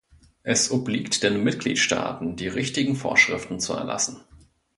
Es obliegt den Mitgliedstaaten, die richtigen Vorschriften zu erlassen.